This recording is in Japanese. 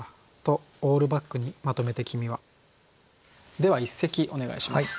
では一席お願いします。